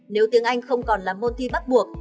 nếu tiếng anh không còn là môn thi bắt buộc